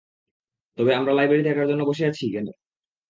তবে আমরা লাইব্রেরিতে এটার জন্য বসে আছি কেন?